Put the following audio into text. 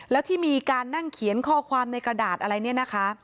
แล้วที่มีการนั่งเขียนข้อความในกระดาษอะไรเนี่ยนะคะ